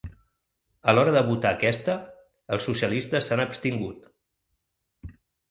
A l’hora de votar aquesta, els socialistes s’han abstingut.